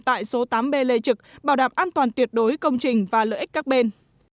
tại số tám b lê trực bảo đảm an toàn tuyệt đối công trình và lợi ích các bên